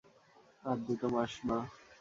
আর দুটো মাস, মা।